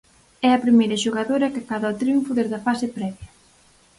É a primeira xogadora que acada o triunfo desde a fase previa.